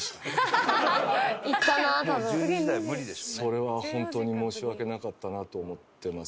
それは本当に申し訳なかったなと思ってます。